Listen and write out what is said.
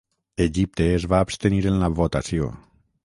Egipte es va abstenir en la votació.